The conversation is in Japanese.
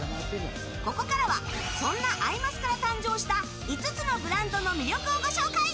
ここからは、そんな「アイマス」から誕生した５つのブランドの魅力をご紹介。